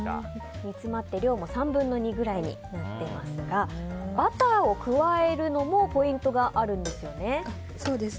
煮詰まって、量も３分の２ぐらいになってますがバターを加えるのもポイントがあるんですよね。